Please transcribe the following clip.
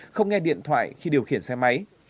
không nghe điện thoại khi điều khiển xe máy